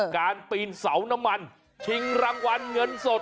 การปีนเสาน้ำมันชิงรางวัลเงินสด